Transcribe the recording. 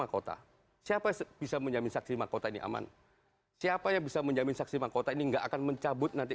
kami akan segera kembali